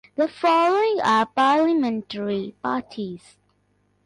The following are parlimentary parties.